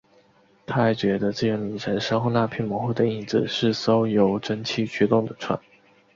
他还觉得自由女神身后那片模糊的影子是艘由蒸汽驱动的船。